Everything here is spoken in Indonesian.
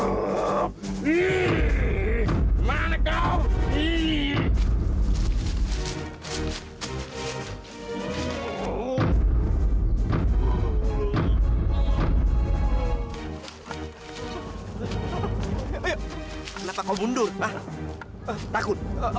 sampai jumpa di video selanjutnya